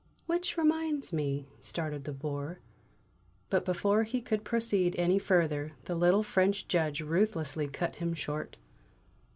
"Which reminds me " started the Bore. But before he could proceed any further the little French Judge ruthlessly cut him short.